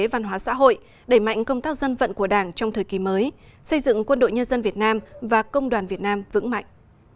văn hóa xã hội đẩy mạnh công tác dân vận của đảng trong thời kỳ mới xây dựng quân đội nhân dân việt nam và công đoàn việt nam vững mạnh